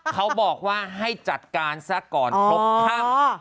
เขาบอกว่าให้จัดการซะก่อนครบค่ำ